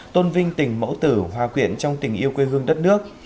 tôn vinh tình mẫu tử hòa quyện trong tình yêu quê hương đất nước